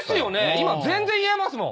今全然言えますもん。